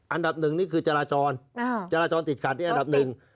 อันดับหนึ่งนี่คือจราจรจราจรติดขัดที่อันดับหนึ่ง